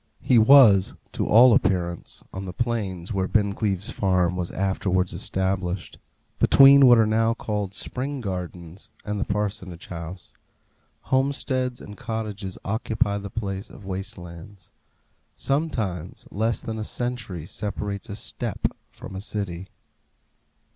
He was, to all appearance, on the plains where Bincleaves Farm was afterwards established, between what are now called Spring Gardens and the Parsonage House. Homesteads and cottages occupy the place of waste lands. Sometimes less than a century separates a steppe from a city.